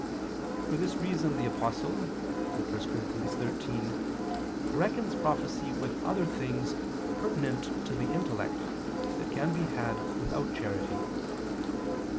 For this reason the Apostle (1 Cor. 13) reckons prophecy with other things pertinent to the intellect, that can be had without charity.